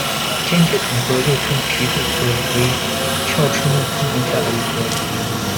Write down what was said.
鲣节虫科，又称皮蠹科，为鞘翅目昆虫下的一科。